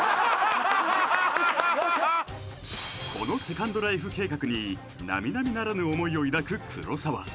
このセカンドライフ計画に並々ならぬ思いを抱く黒沢